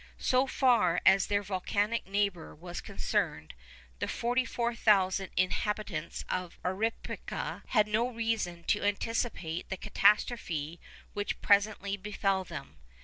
So far as their volcanic neighbour was concerned, the 44,000 inhabitants of Arequipa had no reason to anticipate the catastrophe which presently befell them.